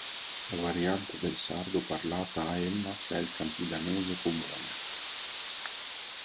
La variante del sardo parlata a Elmas è il campidanese comune.